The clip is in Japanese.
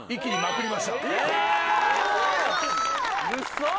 嘘！